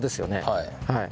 はい。